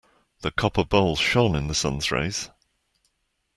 The copper bowl shone in the sun's rays.